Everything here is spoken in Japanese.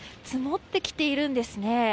積もってきているんです。